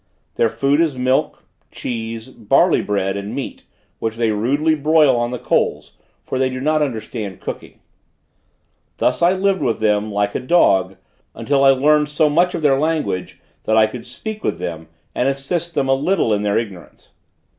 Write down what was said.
Their food is milk, cheese, barley bread and meat, which they rudely broil on the coals; for they do not understand cooking. Thus I lived with them, like a dog, until I learned so much of their language, that I could speak with them and assist them a little in their ignorance.